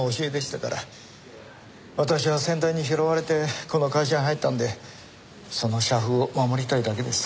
私は先代に拾われてこの会社に入ったんでその社風を守りたいだけです。